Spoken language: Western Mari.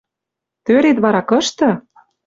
Тӧрет вара кышты?..